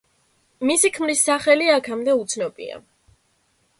მისი ქმრის სახელი აქამდე უცნობია.